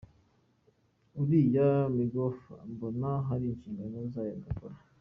Iriya Migepof mbona hari inshingano zayo idakora.